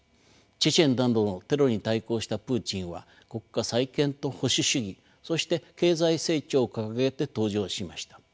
チェチェンなどのテロに対抗したプーチンは国家再建と保守主義そして経済成長を掲げて登場しました。